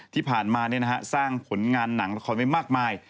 ที่ผ่านมาสร้างผลงานหนังละครไว้มากมาย